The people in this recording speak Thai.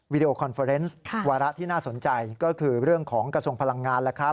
ดีโอคอนเฟอร์เนสวาระที่น่าสนใจก็คือเรื่องของกระทรวงพลังงาน